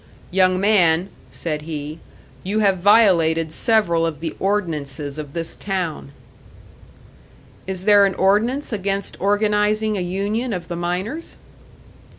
"Young man," said he, "you have violated several of the ordinances of this town." "Is there an ordinance against organising a union of the miners?"